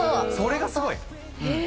それがすごい。